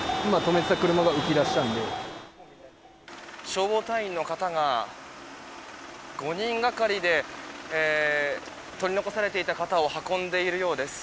消防隊員の方が５人がかりで取り残されていた方を運んでいるようです。